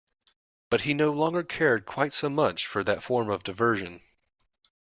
But he no longer cared quite so much for that form of diversion.